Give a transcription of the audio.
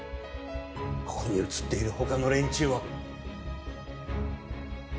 ここに写っている他の連中は？